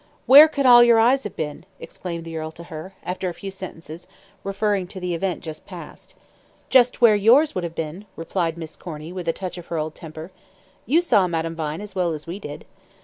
"Where could all your eyes have been?" exclaimed the earl to her, after a few sentences, referring to the event just passed. "Just where yours would have been," replied Miss Corny, with a touch of her old temper. "You saw Madame Vine as well as we did."